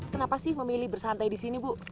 kenapa sih memilih bersantai di sini bu